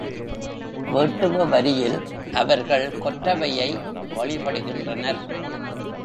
வேட்டுவ வரியில் அவர்கள் கொற்றவையை வழிபடுகின்றனர்.